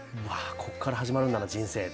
ここから始まるんだな人生。